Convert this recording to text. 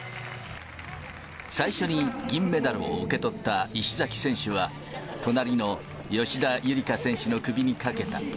最初に銀メダルを受け取った石崎選手は、隣の吉田夕梨花選手の首にかけた。